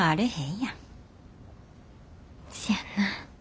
せやんな。